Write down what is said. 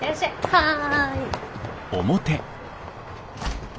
はい。